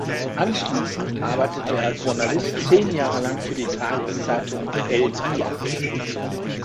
Anschließend arbeitete er als Journalist zehn Jahre lang für die Tageszeitung "El Dia".